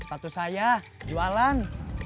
sepatu saya jualan